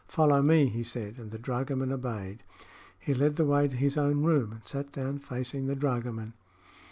"Follow me," he said, and the dragoman obeyed. He led the way to his own room and sat down facing the dragoman.